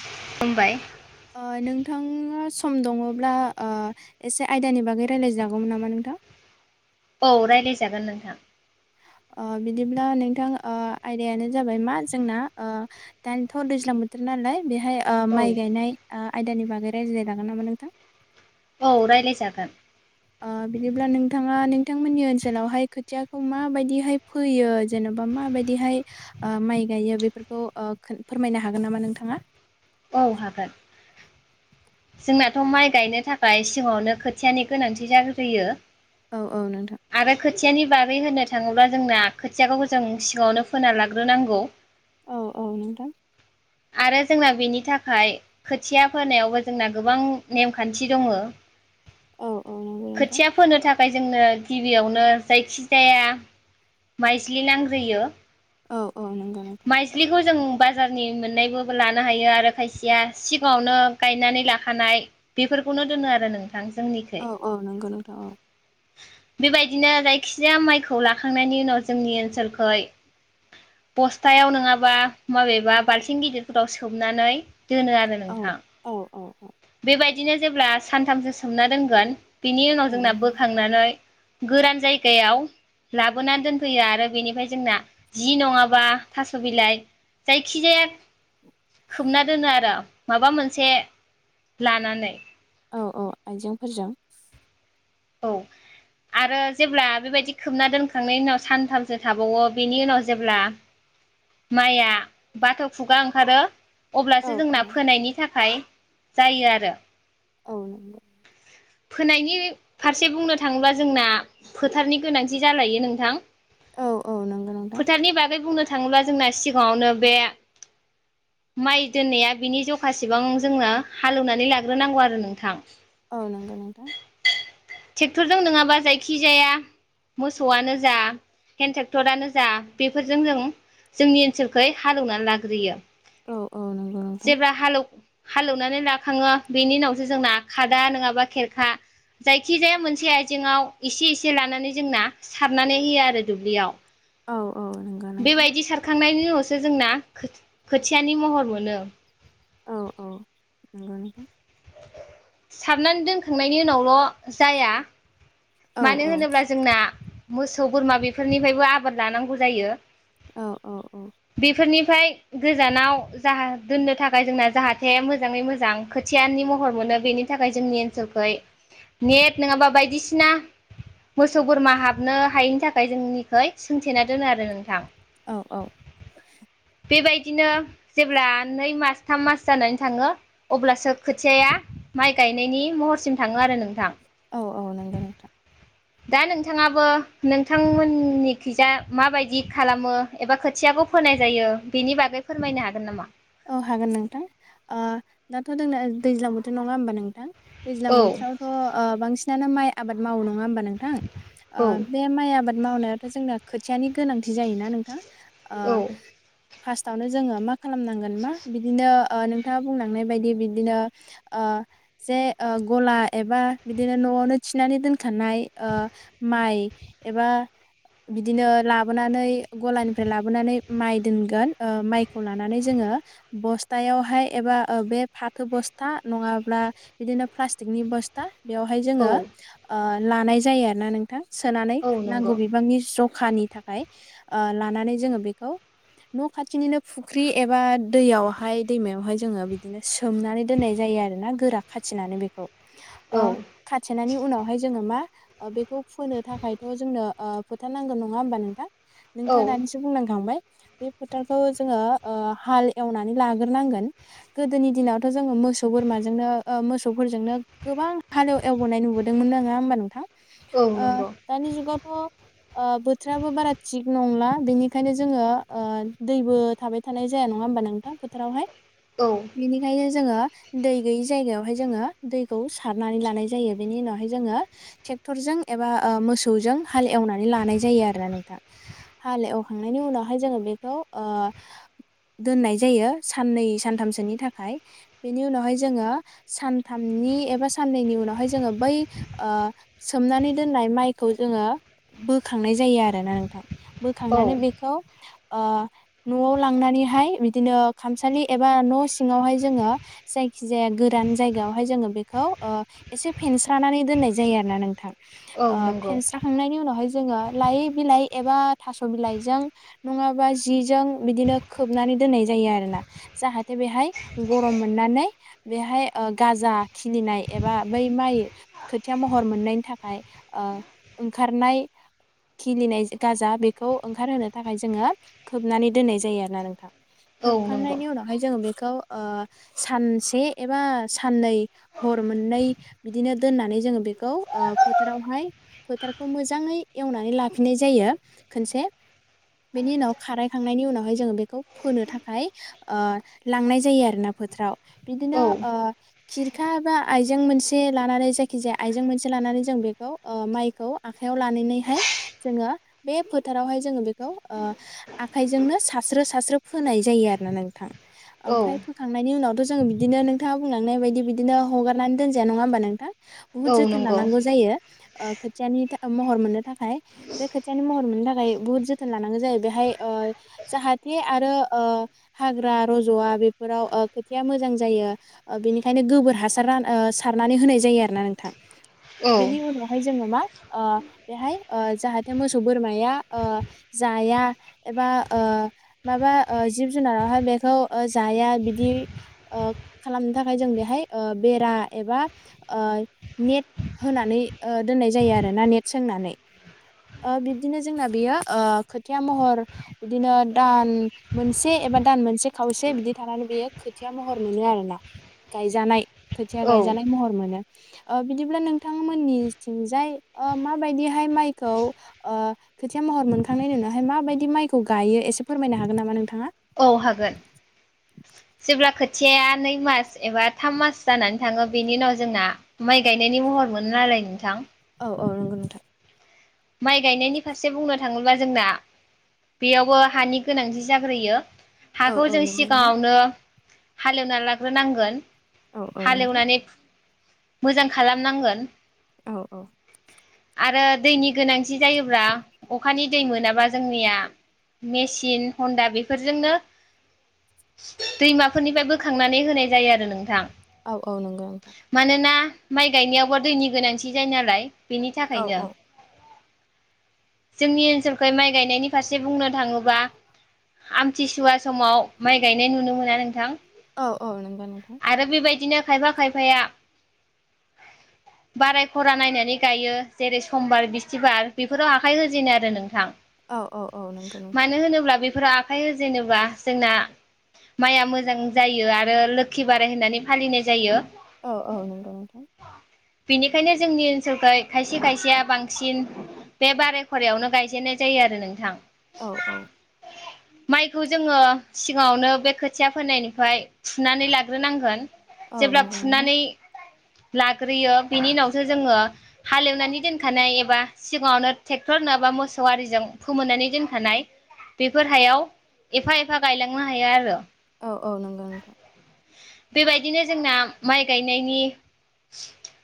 खुलुमबाइ ओ नोंथाङा सम दङब्ला एसे आयदानि बागै रायज्लायनागौमोन नामा नोंथां। औ रायज्लायजागोन नोंथां। ओ बिदिब्ला नोंथां ओ आयदायानो जाबाय मा जोंना ओ दानिथ' दैज्लां बोथोर नालाय बेहाय ओ औ माइ गायनाय आयदानि बागै रायज्लाय जागोन नामा नोंथां। औ रायलाय जागोन। ओ बिदिब्ला नोंथाङा नोंथांमोननि ओनसोलावहाय खोथियाखौ माबायदिहाय फोयो जेन'बा माबायदिहाय ओ माइ गायो बेफोरखौ ओ फोरमायनो हागोन नामा नोंथाङा? औ हागोन। जोंनाथ' माइ गायनो थाखाय सिगांवनो खोथियानि गोनांथि जाग्रोयो। औ औ नोंथां। आरो खोथियानि बागै होननो थाङोब्ला जोंना खोथियाखौ जों सिङावनो फोना लाग्रोनांगौ। औ औ नोंथां आरो जोंना बेनि थाखाय खोथिया फोनोनायावबो जोंना गोबां नेमखान्थि दङ। औ औ नंगौ नोंथां खोथिया फोनो थाखाय ओमफ्राय जोंनो गिबियावनो जायखि जाया माइज्लि नांग्रोयो। औ औ नंगौ नोंथा माइज्लिखौ जों बाजारनि मोन मोननायबोबो लानो हायो आरो खायसेया सिगाङावनो गायनानै लाखानाय बेफोरखौनो दोनो आरो नों औ औ नंगौ नोंथां औ बेबायदिनो जायखिजाया माइखौ लाखांनायनि उनाव जोंनि ओनसोलखै बस्थायाव नङाबा माबेबा बाल थिं गिदिरफोराव सोमनानै दोनो आरो औ नोंथां औ औ औ बेबायदिनो जेब्ला सानथामसो सोमना दोनगोन बिनि उनाव औ जोंना बोखांनानै गोरान जायगायाव लाबोनानै दोनफैयो आरो बेनिफ्राय जोंना जि नङाबा थास' बिलाइ जायखिजाया खोबना दोनो आरो माबा मोनसे लानानै। औ औ आइजेंफोरजों औ आरो जेब्ला बेबायदि खोबना दोनखांनायनि उनाव सानथामसो थाबावो बेनि उनाव जेब्ला माइया बाथ' खुगा ओंखारो औ अब्लासो औ जोंना फोनायनि थाखाय फ्राय जायो आरो। औ नंगौ फोनायनि फारसे बुंनो थाङोब्ला जोंना फोथारनि गोनांथि जालायो नोंथां। औ औ नंगौ नोंथां फोथारनि बागै बुंनो था थाङोब्ला जोंना सिगाङावनो बे माइ दोननाया बिनि जखासेबां जोंनो हालेवनानै लाग्रोनांगौ आरो नोंथां। औ नंगौ नोंथां। ट्रेक्टरजों नङाबा जायखि जाया मोसौआनो जा हेन्द ट्रेक्टरानो जा बेफोरजों जों जोंनि ओनसोलखै हालेवनानै लाग्रोयो। औ औ नंगौ नोंथां जेब्ला हालौ हालेवनानै लाखाङो बेनि उनावसो जोंना खादा नङाबा खेरखा जायखिजाया मोनसे आइजेंआव एसे एसे लानानै जोंना सारनानै होयो आरो दुब्लियाव। औ औ नंगौ नोंथां। बेबायदि सारखांनायनि उनावसो जोंना खोथियानि महर मोनो। औ औ नंगौ नोंथां। सारनानै दोनखांनायनि उनावल' जाया औ मानो औ होनोब्ला जोंना मोसौ बोरमा बेफोरनिफ्रायबो आबोर लानांगौ जायो। औ औ बेफोरनि फ्राय गोजानाव जा दोननो थाखाय जोंना जाहाथे मोजाङै मोजां खोथियानि महर मोनो बेनि थाखाय जोंनि ओनसोलखै नेट नङाबा बायदिसिना मोसौ बोरमा हाबनो हायैनि थाखाय जोंनिखै सोंथेना दोनो आरो नोंथां। औ औ। बेबायदिनो जेब्ला नै मास थाम मास जानानै थाङो अब्लासो खोथियाया माइ गायनायनि महरसिम थाङो आरो नोंथां। औ औ नंगौ नोंथां। दा नोंथाङाबो नोंथांमोननिखिजा माबायदि खालामो एबा खोथियाखौ फोनाय जायो बेनि बागै फोरमायनो हागोन नामा? औ हागोन नोंथां ओ दाथ' दोंना दैज्लां बोथोर नङा होमबा नोंथां? दैज्लां औ बोथोरावथ' ओ बांसिन नानो माइ आबाद मावो नङा होमबा नों थां ओ बे औ माइ आबाद मावनायाथ' जोंना खोथियानि गोनांथि जायोना नोंथां? आ औ फार्स्टआवनो जोङो मा खालामना गोन मा बिदिनो ओ नोंथाङा बुंलांनाय बायदि बिदिनो ओ जे गला एबा बिदिनो न'आवनो थिनानै दोन खानाय ओ माइ एबा बिदिनो लाबोनानै गलानिफ्राय लाबोनानै माइ दोनगोन ओ माइखौ लानानै जोङो बस्थायावहाय एबा ओ बे फाथो बस्था नङाब्ला बिदिनो प्लास्टिकनि बस्था बेवहाय औ जोङो ओ लानाय जायो आर ना नों सोनानै औ नंगौ नांगौ बिबांनि ज खानि थाखाय ओ लानानै जोङो बेखौ न' खाथिनिनो फुख्रि एबा दैयावहाय दैमायावहाय जोङो बिदिनो सोमनानै दोननाय जायो आरोना गोरा खाथिनानै बेखौ औ ओ खाथेनानै उनावहाय जोङो मा ओ बेखौ फोनो थाखायथ' जोंनो ओ फोथार नांगोन नङा होमबा नोंथां? नोंथाङा औ दानिसो बुंलांखांबाय बे फोथारखौ जोङो ओ हाल एवनानै लाग्रोनांगोन गोदोनि दिनावथ' जोङो मोसौ बोरमाजोंनो ओ मोसौफोरजोंनो गोबां हालेव एवबोनाय नुबोदोंमोन नङा होमबा नोंथां औ ओ नंगौ दानि जुगावथ' बोथोराबो बारा थिग नंला बेनिखायनो जोङो ओ दैबो थाबाय थानाय जाया नङा होमबा नों थां फोथारावहाय औ बेनिखायनो जोङो दै गैयै जायगायावहाय जोङो दैखौ सारनानै लानाय जायो बेनि उनावहाय जोङो ट्रेक्टरजों एबा ओ मोसौजों हाल एवनानै लानाय जायो आरो ना नोंथां हालएवखांनायनि उनावहाय जों बेखौ ओ दोननाय जायो साननै सानथामसोनि थाखाय बेनि उनावहाय जोङो सानथामनि एबा साननैनि उनावहाय जोङो बै ओ सोमनानै दोननाय माइखौ जोङो बोखांनाय जायो आरोना नोंथां औ बोखांनानै बेखौ ओ नवाव लांनानैहाय बिदिनो खामसालि एबा न' सिङावहाय जोङो जायखि जाया गोरान जायगायावहाय जोङो बेखौ एसे फेनस्रानानै दोननाय जायो आरोना नोंथां औ ओ नंगौ फेनस्राखांनायनि उनावहाय जोङो लाइ बिलाइ एबा थास' बिलाइजों नङाबा जिजों बिदिनो खोबनानै दोननाय जायो आरोना जाहाथे बेहाय गरम मोननानै बेहाय गाजा खिलिनाय एबा बै माइ खोथिया महर मोननायनि थाखाय ओ ओंखारनाय खिलिनाय गाजा बेखौ ओंखारहोनो थाखाय जोङो खोबनानै दोननाय जायो आरोना नोंथां औ नंगौ खोबखांनायनि उनावहाय जोङो बे बेखौ सानसे एबा साननै हर मोननै बिदिनो दोननानै जोङो बेखौ फोथारावहाय फोथारखौ मोजाङै एवनानै लाफिनाय जायो खनसे बेनि उनाव खारायखांनायनि उनावहाय जोङो बेखौ फोनो थाखाय ओ लांनाय जायो आरोना फोथाराव औ बिदिनो ओ खिरखा बा आइजें मोनसे लानानै जायखि जाया आइजें मोनसे लानानै जों बेखौ माइखौ आखाइयाव लानानैहाय जोङो बे फोथारावहाय जोङो बेखौ आखायजोंनो सारस्रो सारस्रो फोनाय जायो आरो ना नोंथां ओमफ्राय औ फोखांनायनि उनाव जों बिदिनो नोंथाङा बुंलांनाय बायदि बिदिनो हगारनानै दोनजाया नङा होमबा नोंथा बुहुत जोथोन नंगौ लानांगौ जायो ओ खोथियानि महर मोननो थाखाय बे खोथियानि महर मोननो थाखाय बुहुत जोथोन लानांगौ जायो बेहाय जाहाथे आरो ओ हाग्रा रज'वा बेफोराव खोथिया मोजां जायो बेनिखायनो ओ गोबोर हासार सारनानै होनाय जायो आरो ना नोंथां औ बेनि उनावहाय जोङो मा ओ बेहाय जाहाथे मोसौ बोरमाया ओ जाया एबा ओ माबा ओ जिब जुनारावहाय बेखौ जाया बिदि ओ खालामनो थाखाय जों बेहाय बेरा एबा ओ नेट होनानै ओ दोननाय जायो आरोना नेट सोंनानै बिदिनो जोंना बेयो खोथिया महर बिदिनो दान मोनसे एबा दान मोनसे खावसे बिदि थानानै बियो खोथिया महर मोनो आरोना गायजानाय खोथिया गायजानाय महर मोनो। ओ बिदिब्ला नोंथां मोननिथिंजाय माबायदिहाय माइखौ ओ खोथिया महर मोनखांनायनि उनावहाय माबायदि माइखौ गायो एसे फोरमायनो हागोन नामा नोंथाङा? औ खोथिया नै मास एबा थाम मास जानानै थाङो बेनि उनाव जोंना माइ गायनायनि महर मोनो नालाय नोंथां औ औ नंगौ नोंथां माइ गायनायनि फारसे बुंनो थाङोब्ला जोंना बेयावबो हानि गोनांथि जाग्रोयो। औ हाखौ औ जों नंगौ नोंथां सिगाङावनो हालेवना लाग्रोनांगोन औ औ नोंथां हालेवनानै मोजां खालामनांगोन। औ औ। आरो दैनि गोनांथि जायोब्ला अखानि दै मोनाबा जोंनिया मेसिन हन्दा बेफोरजोंनो दैमाफोरनिफाय बोखांनानै होनाय जायो आरो नोंथां। औ औ नंगौ नोंथां। मानोना माइ गायनायावबा दैनि गोनांथि जायो नालाय। बेनि औ थाखायनो। औ जोंनि ओनसोलखौहाय माइ गायनायनि फारसे बुंनो थाङोबा आमथिसुवा समाव माइ गायनाय नुनो मोना नोंथां। औ औ नंगौ नोंथां। आरो बेबायदिनो खायफा खायफाया बाराय खरा नायनानै गायो जेरै समबार बिस्थिबार बेफोराव आखाइ होजेनो आरो नोंथां‌। औ औ औ नंगौ नोंथां मानो होनोब्ला बे फोरा आखाइ होजेेनोबा जोंना माइआ मोजां जायो आरो लोखि बाराय होननानै फालिनाय जायो। औ औ नंगौ नोंथां। बेनिखायनो जोंनि ओनसोलखौहाय खायसे खायसेया बांसिन बे बाराय खरायावनो गायजेननाय जायो आरो नोंथां। औ औ। माइखौ जोङो सिगाङावनो बे खोथिया फोनायनिफाय फुनानै लाग्रोनांगोन। औ जेब्ला नंगौ नोंथां फुनानै लाग्रोयो बेनि उनावसो जोङो हालेवनानै दोन खानाय एबा सिगाङावनो ट्रेक्टर नङाबा मोसौ आरिजों फोमोननानै दोनखानाय बेफोर हायाव एफा एफा गायलांनो हायो आरो। औ औ नंगौ नोंथां। बेबायदिनो जोंना माइ गायनायनि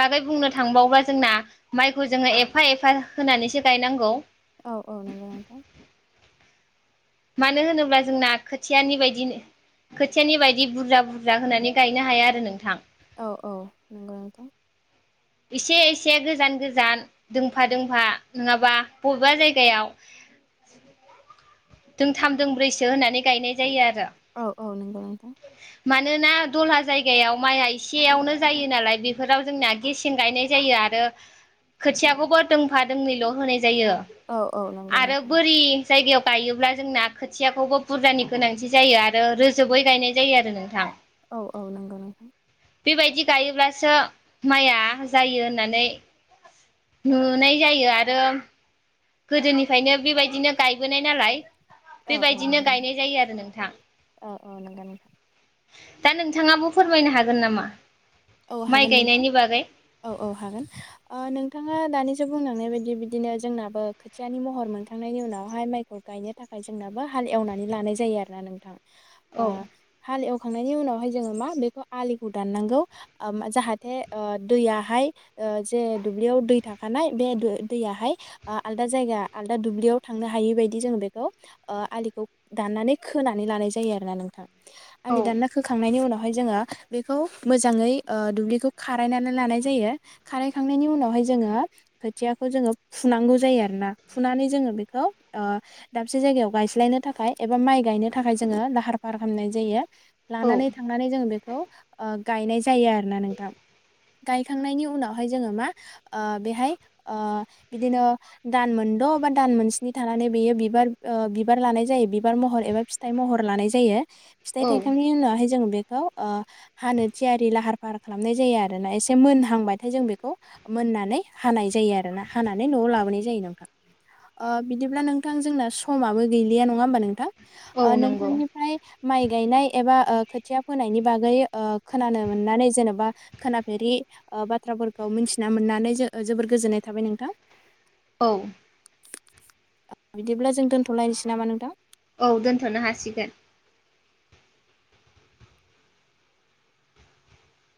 बागै बुंनो थांबावोबा जोंना माइ खौ जोङो एफा एफा होनानैसो गायनांगौ। औ औ नोंगौ नोंथां‌‌। मानो होनोब्ला जोंना खोथियानि बायदि खोथियानि बायदि बुरजा बुरजा होनानै गायनो हाया आरो नोंथां। औ औ नंगौ नोंथां। एसे एसे गोजान गोजान दोंफा दोंफा नोङाबा बबेबा जायगायाव दोंथाम दोंब्रैसो होनानै गायनाय जायो आर औ औ नंगौ नोंथां। मानोना दलहा जायगायाव माइआ एसेयावनो जायो नालाय बेफोराव जोंना गेसें गायनाय जायो आरो खोथियाखौबो दोंफा दोंनैल' होनाय जायो औ औ नंगौ आरो नोंथां बोरि जायगायाव गायोब्ला जोंना खोथियाखौबो बुरजानि गोनांथि जायो आरो रोजोबै गायनाय जायो आरो नोंथां। औ औ नंगौ नोंथां। बेबायदि गायोब्लासो माइया जायो होननानै नुनाय जायो आरो गोदोनिफ्रायनो बेबायदिनो गायबोनाय नालाय औ औ बेबायदिनो नंगौ नोंथां गायनाय जायो आरो नोंथां। औ औ नंगौ नोंथां दा नोंथाङाबो फोरमायनो हागोन नामा औ माइ हागोन नोंथां गायनायनि बागै औ औ हागोन ओ नोंथाङा दानि सो बुंलांनाय बायदि बिदिनो जोंनाबो खोथियानि महर मोनखांनायनि उनावहाय माइखौ गायनो थाखाय जोंनाबो हाल एवनानै लानाय जायो आरोना नोंथां। औ खांनायनि उनावहाय जोङो मा बेखौ आलिखौ दाननांगौ ओ जाहाथे ओ दैयाहाय ओ जे दुब्लियाव दै थाखानाय बे दैयाहाय ओ आलदा जायगा आलदा दुब्लियाव थांनो हायि बायदि जोङो बेखौ ओ आलिखौ दाननानै खोनानै लानाय जायो आरोना नोंथां। औ आलि दाना खोखांनायनि उनाव हाय जोङो बेखौ मोजाङै ओ दुब्लिखौ खारायनानै लानाय जायो। खारायखांनायनि उनावहाय जोङो खोथियाखौ जोङो फुनांगौ जायो आरोना फुनानै जोङो बेखौ ओ दाबसे जायगायाव गायस्लायनो थाखाय एबा माइ गायनो थाखाय जोङो लाहार फाहार खालामनाय जायो। औ लानानै थांनानै जों बेखौ ओ गायनाय जायो आरोना नोंथां। गायखांनायनि उनावहाय जोङो मा ओ बेहाय ओ बिदिनो दान मोनद' बा दान मोनस्नि थानानै बेयो बिबार ओ बिबार लानाय जायो बिबार महर एबा फिथाइ महर लानाय जायो। फिथाइ औ थाइखांनि उनावहाय जोङो बे खौ ओ हानो थिया रि लाहार फाहार खालामनाय जायो आरोना एसे मोनहांबथाय जों बेखौ मोननानै हानाय जायो आरोना हानानै न'आव लाबोनाय जायो नोंथां। ओ बिदिब्ला नोंथां जोंना समाबो गैलिया नङा होमबा नोंथां। औ ओ नंगौ नोंथांनिफ्राय माइ गायनाय एबा ओ खोथिया फोनायनि बागै ओ खोनानो मोननानै जेन'बा खोनाफेरि ओ बाथ्राफोरखौ मिन्थिना मोननानै जो ओ जोबोर गोजोननाय थाबाय नोंथां। औ। बिदिब्ला जों दोनथ'लायनोसै नामा नोंथां? औ दोन्थ'नो हासिगोन।